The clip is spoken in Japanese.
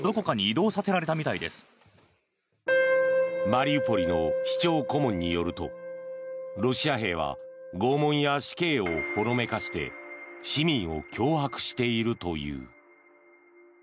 マリウポリの市長顧問によるとロシア兵は拷問や死刑をほのめかして市民を脅迫しているという。